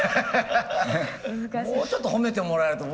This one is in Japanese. もうちょっと褒めてもらえると。